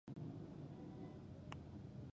افغانستان د لمریز ځواک له امله شهرت لري.